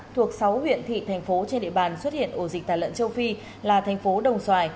thuộc sáu huyện thị thành phố trên địa bàn xuất hiện ổ dịch tà lợn châu phi là thành phố đồng xoài